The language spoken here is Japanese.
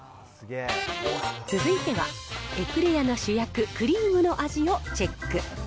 続いては、エクレアの主役、クリームの味をチェック。